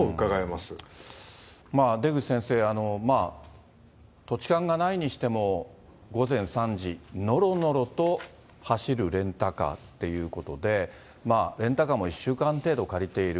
まあ、出口先生、土地勘がないにしても、午前３時、のろのろと走るレンタカーっていうことで、レンタカーも１週間程度借りている。